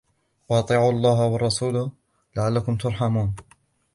وأطيعوا الله والرسول لعلكم ترحمون